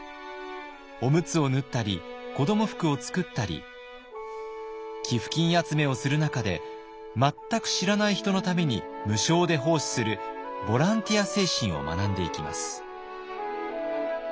おむつを縫ったり子ども服を作ったり寄付金集めをする中で全く知らない人のために無償で奉仕するボランティア精神を学んでいきます。